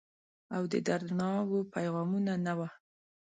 او دردڼاوو پیغامونه، نه وه